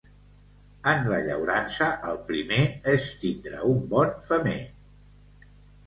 En la llaurança, el primer és tindre un bon femer.